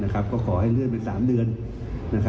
ก็ขอให้เลื่อนไป๓เดือน